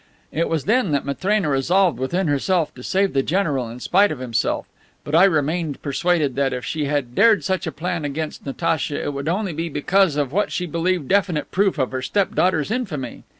It was then that Matrena resolved within herself to save the general in spite of himself, but I remain persuaded that, if she had dared such a plan against Natacha, it would only be because of what she believed definite proof of her step daughter's infamy.